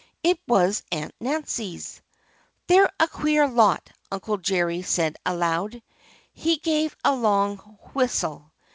It was Aunt Nancy's. "They're a queer lot," Uncle Jerry said aloud. He gave a long whistle.